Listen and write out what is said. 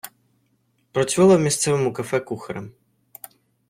Працювала в місцевому кафе кухарем.